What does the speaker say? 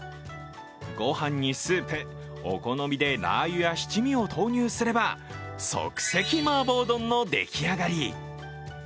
ご飯にスープ、お好みでラー油や七味を投入すれば、即席マーボー丼の出来上がり。